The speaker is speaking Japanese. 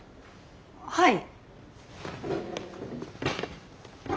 はい。